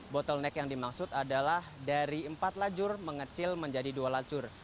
bottleneck yang dimaksud adalah dari empat lajur mengecil menjadi dua lacur